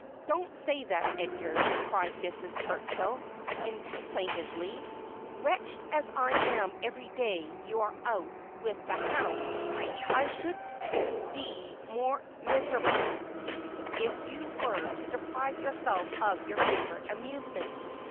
' Don't say that, Edgar,' cried Mrs. Turchill plaintively. ' Wretched as I am every day you are out with the hounds, I should, be still more miserable if you were to deprive yourself of your favourite amusement.